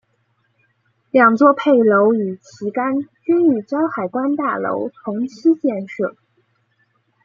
两座配楼与旗杆均与胶海关大楼同期建设。